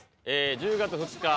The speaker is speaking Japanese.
１０月２日